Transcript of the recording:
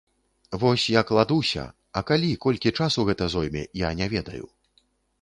Вось я кладуся, а калі, колькі часу гэта зойме, я не ведаю.